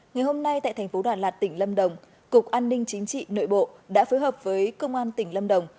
ngày hôm nay tại thành phố đà lạt tỉnh lâm đồng cục an ninh chính trị nội bộ đã phối hợp với công an tỉnh lâm đồng